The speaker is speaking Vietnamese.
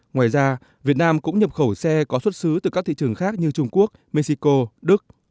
ngoài ra việt nam cũng nhập khẩu xe có xuất xứ từ các thị trường khác như trung quốc mexico đức